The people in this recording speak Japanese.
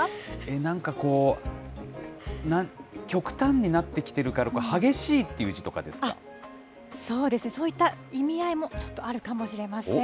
なんかこう、極端になってきてるから、そうですね、そういった意味合いもちょっとあるかもしれません。